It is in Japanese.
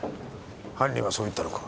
犯人はそう言ったのか？